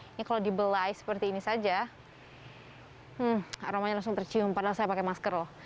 ini kalau dibelai seperti ini saja aromanya langsung tercium padahal saya pakai masker loh